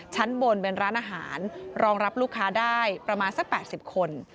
ชั้นบนเป็นร้านอาหารรองรับลูกค้าได้ประมาณสัก๘๐คน